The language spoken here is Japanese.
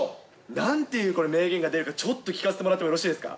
なんて言うこれ、名言が出るか、ちょっと聞かせてもらってもいいですか。